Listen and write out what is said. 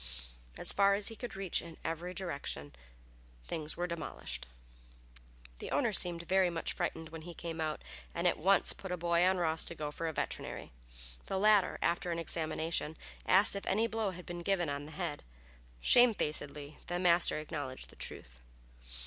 As far as he could reach in every direction things were demolished. The owner seemed much frightened when he came out, and at once put a boy on Ross to go for a veterinary. The latter, after an examination, asked if any blow had been given on the head. Shamefacedly the master acknowledged the truth.